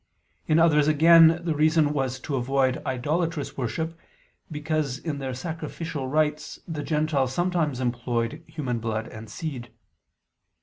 In others, again, the reason was to avoid idolatrous worship: because in their sacrificial rites the Gentiles sometimes employed human blood and seed.